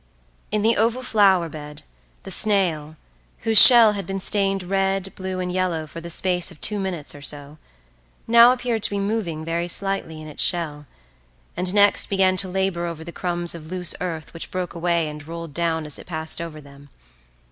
In the oval flower bed the snail, whose shelled had been stained red, blue, and yellow for the space of two minutes or so, now appeared to be moving very slightly in its shell, and next began to labour over the crumbs of loose earth which broke away and rolled down as it passed over them.